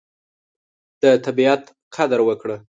د طبیعت قدر وکړه.